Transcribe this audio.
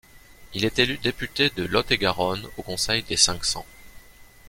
Il est élu député de Lot-et-Garonne au Conseil des Cinq-Cents.